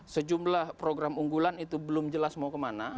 sejumlah program unggulan itu belum jelas mau kemana